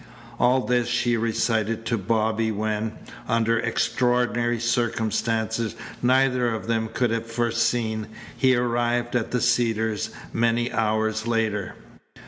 All this she recited to Bobby when, under extraordinary circumstances neither of them could have foreseen, he arrived at the Cedars many hours later.